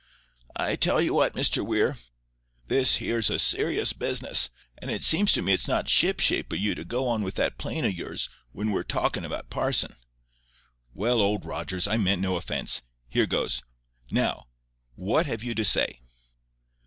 "I tell you what, Mr Weir, this here's a serious business. And it seems to me it's not shipshape o' you to go on with that plane o' yours, when we're talkin' about parson." "Well, Old Rogers, I meant no offence. Here goes. NOW, what have you to say?